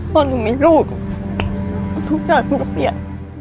พ่อหนูไม่รู้ทุกอย่างมันก็เปรียบ